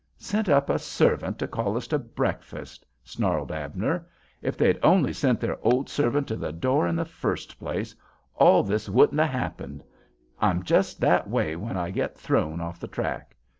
"Sent up a servant to call us to breakfast," snarled Abner. "If they'd only sent their old servant to the door in the first place, all this wouldn't 'a' happened. I'm just that way when I get thrown off the track.